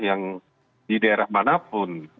yang di daerah manapun